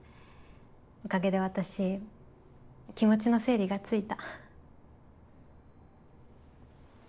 おかげで私気持ちの整理がついた。